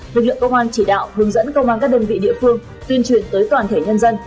lực lượng công an chỉ đạo hướng dẫn công an các đơn vị địa phương tuyên truyền tới toàn thể nhân dân